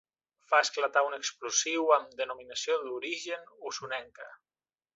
Fa esclatar un explosiu amb denominació d'origen osonenca.